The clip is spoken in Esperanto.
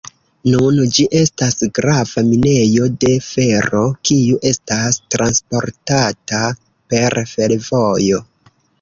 Nun ĝi estas grava minejo de fero kiu estas transportata per fervojo.